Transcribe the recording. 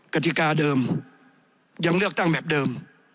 กติกาเดิมยังเลือกตั้งแบบเดิม